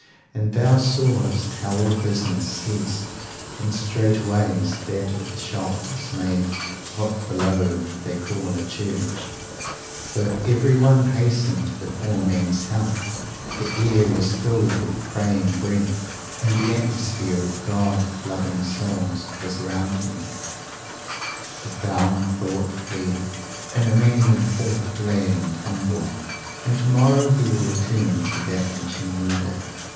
And thou sawest how all business ceased, and straightway that of the shop was made what below they call a church; for everyone hastened to the poor man's help, the air was filled with praying breath, and the atmosphere of God loving souls was around him; the foul thought fled, and the man went forth glad and humble, and to morrow he will return for that which he needeth.